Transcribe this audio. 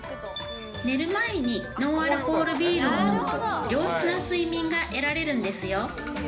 寝る前にノンアルコールビールを飲むと、良質な睡眠が得られるんですよ。